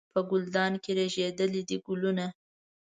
په ګلدان کې رژېدلي دي ګلونه